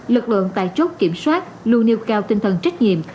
lực lượng tại chốt kiểm soát lưu niêu cao tinh thần trách nhiệm